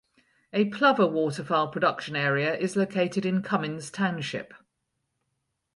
A plover waterfowl production area is located in Cummins Township.